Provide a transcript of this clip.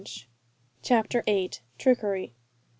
CHAPTER VIII. TRICKERY.